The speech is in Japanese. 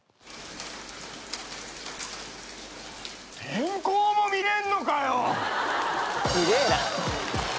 天候も見れんのかよ！